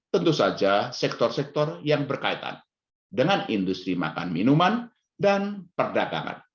tentu saja sektor sektor yang berkaitan dengan industri makan minuman dan perdagangan